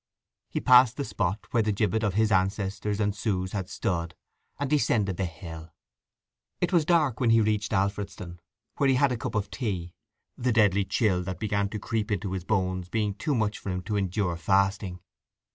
He passed the spot where the gibbet of his ancestor and Sue's had stood, and descended the hill. It was dark when he reached Alfredston, where he had a cup of tea, the deadly chill that began to creep into his bones being too much for him to endure fasting.